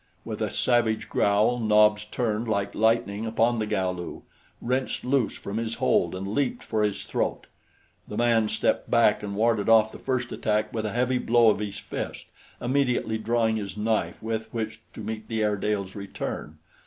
With a savage growl Nobs turned like lightning upon the Galu, wrenched loose from his hold and leaped for his throat. The man stepped back and warded off the first attack with a heavy blow of his fist, immediately drawing his knife with which to meet the Airedale's return.